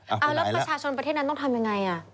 แล้วประชาชนประเทศนั้นต้องทำยังไง